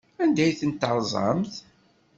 Anda ay tent-terẓamt?